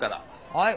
はい。